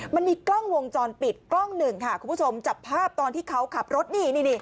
มันมีกล้องวงจรปิดกล้องหนึ่งค่ะคุณผู้ชมจับภาพตอนที่เขาขับรถนี่นี่